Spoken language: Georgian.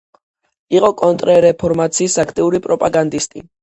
იყო კონტრრეფორმაციის აქტიური პროპაგანდისტი.